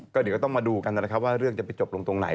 ก็เดี๋ยวก็ต้องมาดูกันนะครับว่าเรื่องจะไปจบลงตรงไหน